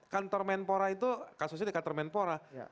kantor menpora itu kasusnya di kantor menpora